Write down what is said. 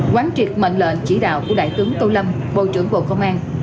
quán triệt mệnh lệnh chỉ đạo của đại tướng tô lâm bộ trưởng bộ công an